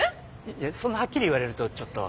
そんなはっきり言われるとちょっと。